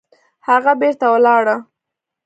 هغه بېرته ولاړه